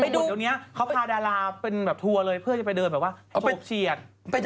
จุดตรงนี้เขาพาดาราเป็นแบบทัวร์เลยเพื่อจะไปเดินแบบว่าเอาไปเฉียด